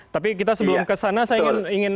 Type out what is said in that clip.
tapi kita sebelum kesana saya ingin